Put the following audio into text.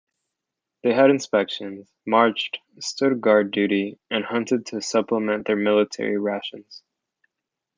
They had inspections, marched, stood guard duty and hunted to supplement their military rations.